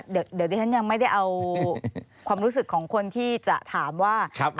เดี๋ยวดิฉันยังไม่ได้เอาความรู้สึกของคนที่จะถามว่า